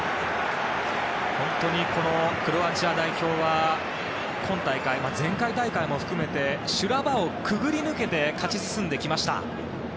本当にクロアチア代表は今大会、前回大会も含めて修羅場をくぐり抜けて勝ち進んできました。